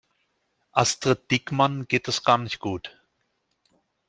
Astrid Diekmann geht es gar nicht gut.